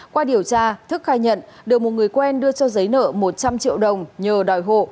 qua điều tra thức khai nhận được một người quen đưa cho giấy nợ một trăm linh triệu đồng nhờ đòi hộ